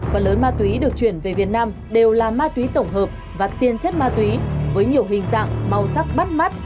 phần lớn ma túy được chuyển về việt nam đều là ma túy tổng hợp và tiên chất ma túy với nhiều hình dạng màu sắc bắt mắt